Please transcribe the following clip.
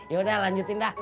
yaudah lanjutin dah